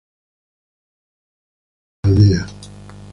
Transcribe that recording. El tren entraba y salía dos veces al día.